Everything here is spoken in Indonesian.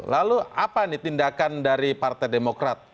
lalu apa nih tindakan dari partai demokrat